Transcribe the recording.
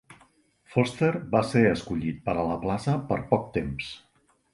Vorster va ser escollit per a la plaça per poc temps.